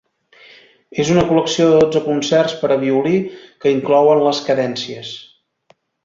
És una col·lecció de dotze concerts per a violí que inclouen les cadències.